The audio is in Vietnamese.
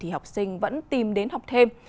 học sinh vẫn tìm đến học thêm